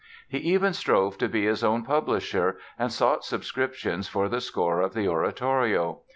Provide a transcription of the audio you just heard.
He even strove to be his own publisher and sought subscriptions for the score of the oratorio.